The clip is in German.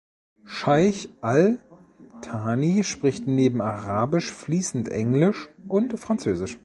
Scheich Al Thani spricht neben Arabisch fließend Englisch und Französisch.